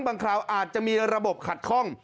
คราวอาจจะมีระบบขัดข้อง